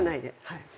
はい。